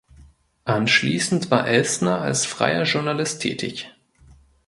Anschließend war Elstner als freier Journalist tätig.